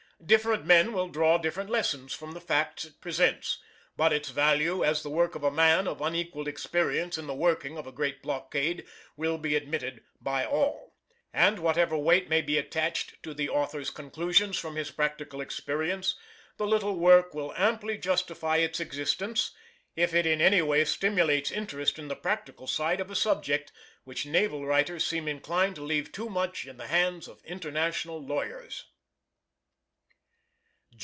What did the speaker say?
Different men will draw different lessons from the facts it presents, but its value as the work of a man of unequalled experience in the working of a great blockade will be admitted by all: and whatever weight may be attached to the author's conclusions from his practical experience, the little work will amply justify its existence if it in any way stimulates interest in the practical side of a subject, which naval writers seem inclined to leave too much in the hands of International lawyers.